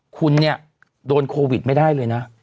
คุณโดนโควิดไม่ได้เลยนะ